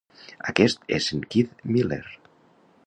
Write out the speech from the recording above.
Aquest és en Keith Miller.